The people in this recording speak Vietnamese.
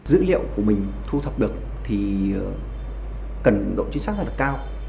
dữ liệu của mình thu thập được thì cần độ chính xác rất là cao